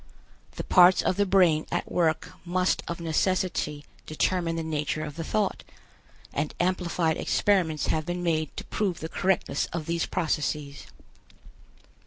The parts of the brain at work must of necessity determine the nature of the thought, and amplified experiments have been made to prove the correctness of these processes.